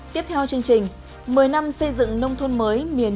tiếp theo chương trình